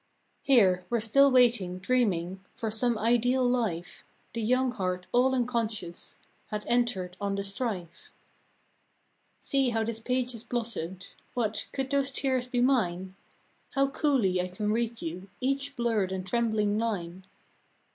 Here, where still waiting, dreaming, For some ideal Life, The young heart all unconscious Had entered on the strife. 1 10 FROM QUEENS' GARDENS. See how this page is blotted: What, could those tears be miije ? How coolly I can read you Each blurred and trembling line.